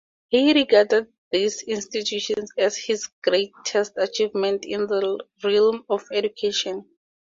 He regarded these institutions as his greatest achievement in the realm of education.